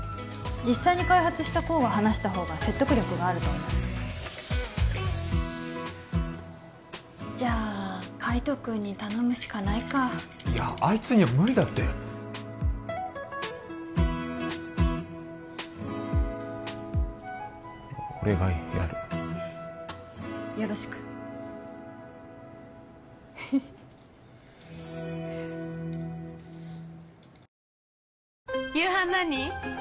実際に開発した功が話したほうが説得力があると思うじゃあ海斗君に頼むしかないかいやあいつには無理だって俺がやるよろしくふふっ夕飯何？